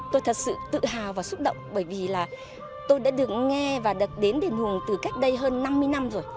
tôi thật sự tự hào và xúc động bởi vì là tôi đã được nghe và được đến đền hùng từ cách đây hơn năm mươi năm rồi